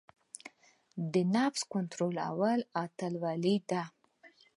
د نفس کنټرول اتلولۍ ده.